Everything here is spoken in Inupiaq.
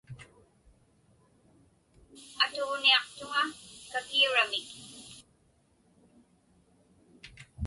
Atuġniaqtuŋa kakiuramik.